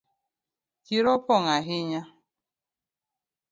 Chiro opong ahinya